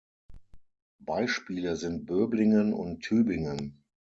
Beispiele sind Böblingen und Tübingen.